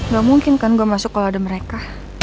gak mungkin kan gak masuk kalau ada mereka